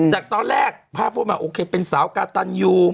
จากตอนแรกภาพพูดมาโอเคเป็นสาวกาตันยู